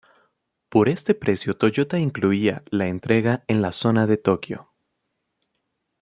Por este precio Toyota incluía la entrega en la zona de Tokio.